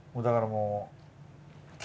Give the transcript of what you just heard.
だからもう。